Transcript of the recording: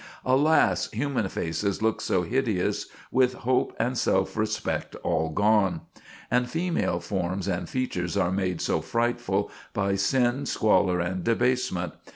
Alas! human faces look so hideous with hope and self respect all gone! And female forms and features are made so frightful by sin, squalor, and debasement!